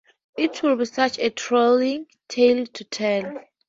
It would be such a thrilling tale to tell.